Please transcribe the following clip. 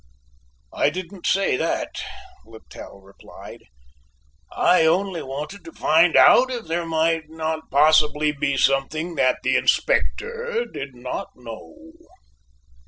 "I didn't say that," Littell replied, "I only wanted to find out if there might not possibly be something that the Inspector did not know."